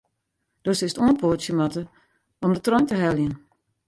Do silst oanpoatsje moatte om de trein te heljen.